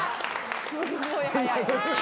・すごい早い。